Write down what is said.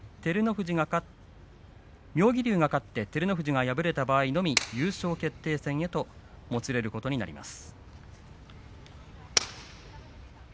妙義龍が勝って照ノ富士が敗れた場合のみ優勝決定戦へともつれることになります。